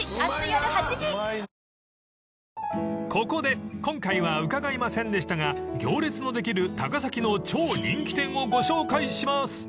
［ここで今回は伺いませんでしたが行列のできる高崎の超人気店をご紹介します］